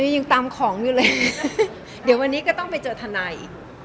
ยังตามของอยู่เลยเดี๋ยววันนี้ก็ต้องไปเจอทนายอีก